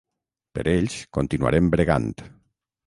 Per ells continuarem bregant.